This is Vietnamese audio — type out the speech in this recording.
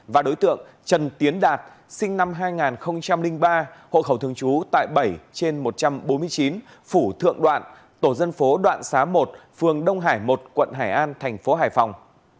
và đối tượng trần tiến đạt sinh năm hai nghìn ba hộ khẩu thường trú tại bảy trên một trăm bốn mươi chín phủ thượng đoạn tổ dân phố đoạn xá một phường đông hải một quận hải an thành phố hải phòng